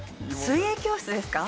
水泳教室ですか？